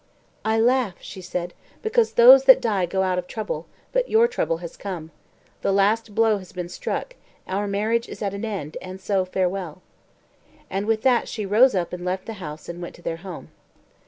"I laugh," she said, "because those that die go out of trouble, but your trouble has come. The last blow has been struck; our marriage is at an end, and so farewell." And with that she rose up and left the house and went to their home.